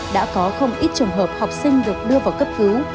đã có không ít trường hợp học sinh được đưa vào cấp cứu